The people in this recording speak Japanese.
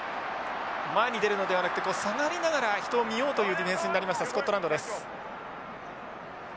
前に出るのではなくて下がりながら人を見ようというディフェンスになりましたスコットランドです。